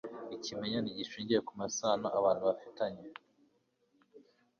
Ikimenyane gishingiye ku masano abantu bafitanye